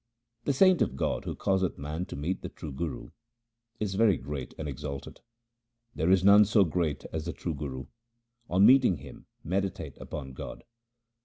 The saint of God, who causeth man to meet the true Guru, is very great and exalted. There is none so great as the true Guru ; on meeting him meditate upon God.